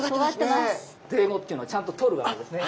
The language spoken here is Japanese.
ぜいごっていうのをちゃんととるわけですね。